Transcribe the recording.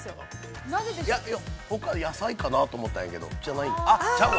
◆いや、ほか、野菜かなと思ったんやけど、じゃないん？